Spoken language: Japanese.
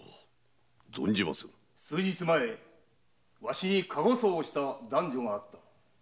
数日前わしに駕籠訴をした男女がある。